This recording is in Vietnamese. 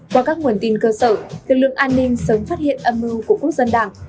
qua các nguồn tin cơ sở lực lượng an ninh sớm phát hiện âm mưu của quốc dân đảng